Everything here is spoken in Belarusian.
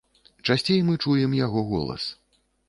Часцей мы чуем яго голас.